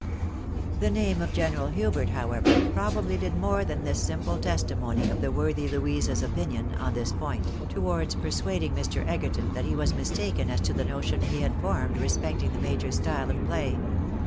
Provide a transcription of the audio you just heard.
The name of General Hubert, however, probably did more than this simple testimony of the worthy Louisa's opinion on this point, towards persuading Mr. Egerton that he was mistaken as to the notion he had formed respecting the major's style of play.